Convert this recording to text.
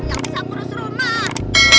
yang bisa ngurus rumah